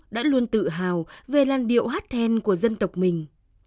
đã luôn tự hào về làn điệu hát then của dân tộc mình